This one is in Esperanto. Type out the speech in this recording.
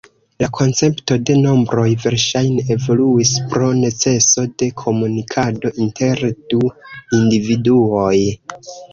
La koncepto de nombroj verŝajne evoluis pro neceso de komunikado inter du individuoj.